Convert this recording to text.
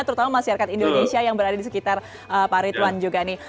terutama masyarakat indonesia yang berada di sekitar pak ritwan juga nih